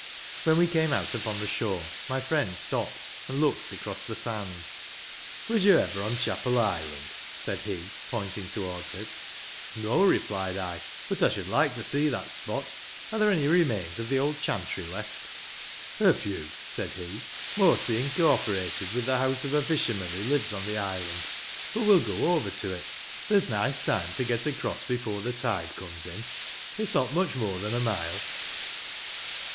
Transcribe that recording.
When we came out upon the shore, my friend stopped, and looked across the sands. " Was you ever on Chapel Island?" said he, pointing towards it. " No," replied I ;" but I should like to see that spot. Are there any remains of the old chantry left?" " A few," said he; "mostly incorporated with the house of a fisherman who lives on the island. But well go over to it. There's nice time to get across before the tide comes in. It's not much more than a mile."